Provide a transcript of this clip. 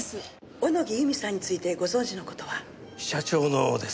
小野木由美さんについてご存じの事は？社長のですか？